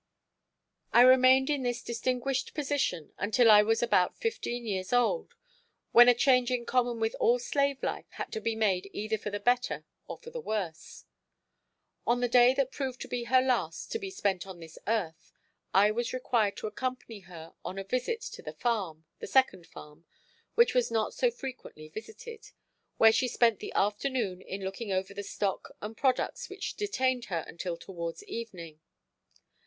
I remained in this distinguished position until I was about fifteen years old, when a change in common with all slave life had to be made either for the better or for the worse. On the day that proved to be her last to be spent on this earth I was required to accompany her on a visit to the farm, the second farm, which was not so frequently visited, where she spent the afternoon in looking over the stock and products which detained her until towards evening.